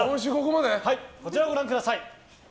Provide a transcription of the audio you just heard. こちらをご覧ください。